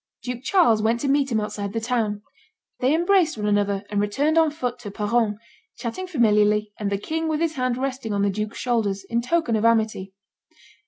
Duke Charles went to meet him outside the town. They embraced one another, and returned on foot to Peronne, chatting familiarly, and the king with his hand resting on the duke's shoulder, in token of amity.